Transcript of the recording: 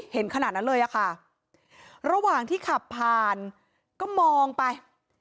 ขนาดนั้นเลยอะค่ะระหว่างที่ขับผ่านก็มองไป